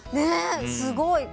すごい。